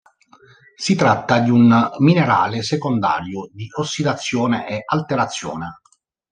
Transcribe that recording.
Si tratta di un minerale secondario di ossidazione e alterazione.